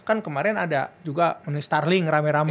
kan kemarin ada juga menemani starlink rame rame